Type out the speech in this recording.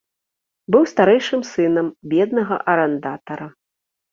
Быў старэйшым сынам беднага арандатара.